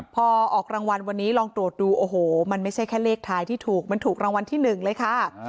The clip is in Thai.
พอออกรางวัลวันนี้ลองตรวจดูโอ้โหมันไม่ใช่แค่เลขท้ายที่ถูกมันถูกรางวัลที่๑เลยค่ะ